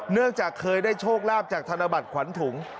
เนื่องจากเคยได้โชคลาภจากธนบัตรขวัญถุง